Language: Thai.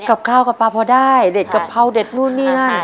กับข้าวกับปลาพอได้เด็ดกะเพราเด็ดนู่นนี่นั่น